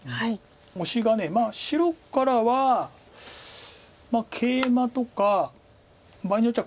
オシが白からはケイマとか場合によっちゃ